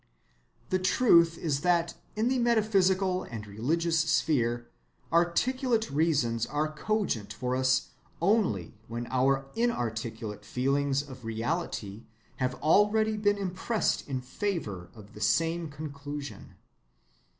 The truth is that in the metaphysical and religious sphere, articulate reasons are cogent for us only when our inarticulate feelings of reality have already been impressed in favor of the same conclusion.